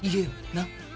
なっ。